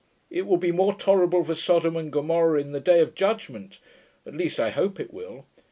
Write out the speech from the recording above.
It will be more tolerable for Sodom and Gomorrah in the day of judgment, at least I hope it will.